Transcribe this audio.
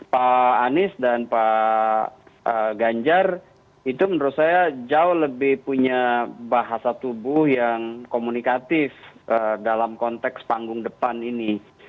pak anies dan pak ganjar itu menurut saya jauh lebih punya bahasa tubuh yang komunikatif dalam konteks panggung depan ini